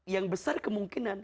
yang besar kemungkinan